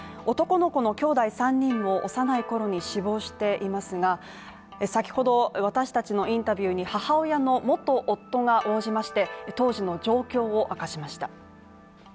男の子のきょうだい３人も幼いころに死亡していますが先ほど、私たちのインタビューに母親の元夫が応じまして当時の状況を明かしました。